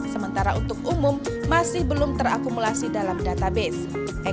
sementara untuk umum masih belum terakumulasi dalam database